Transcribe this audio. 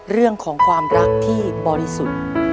เรื่องของความรักที่บริสุทธิ์